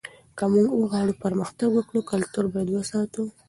که موږ غواړو پرمختګ وکړو کلتور باید وساتو.